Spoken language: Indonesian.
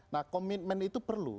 nah komitmen itu perlu